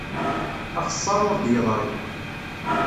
Axessar ur d-yeḍri.